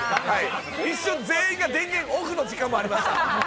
一瞬全員が電源オフの時間もありました。